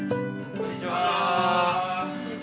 こんにちは。